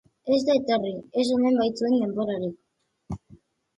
Ez da etorri, ez omen baitzuen denborarik.